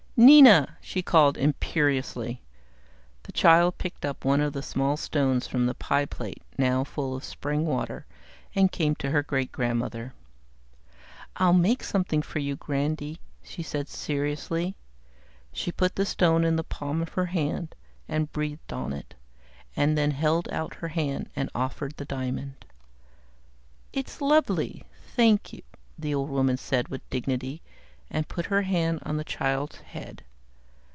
"Nina!" she called imperiously. The child picked up one of the small stones from the pie plate now full of spring water, and came to her great grandmother. "I'll make something for you, Grandy," she said seriously. She put the stone in the palm of her hand, and breathed on it, and then held out her hand and offered the diamond. "It's lovely. Thank you," the old woman said with dignity, and put her hand on the child's head.